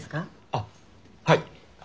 あっはい。